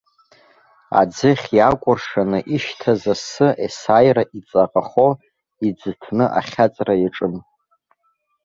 Аӡыхь иаакәыршаны ишьҭаз асы есааира иҵаӷахо, иӡыҭны ахьаҵра иаҿын.